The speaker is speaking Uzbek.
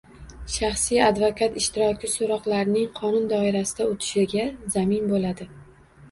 Shaxsiy advokat ishtiroki so‘roqlarning qonun doirasida o‘tishiga zamin bo‘ladi